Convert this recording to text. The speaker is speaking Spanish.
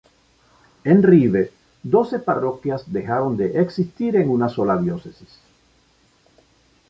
En Ribe doce parroquias dejaron de existir en una sola diócesis.